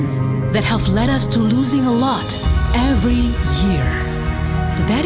tangan ini yang membuat kita kehilangan banyak setiap hari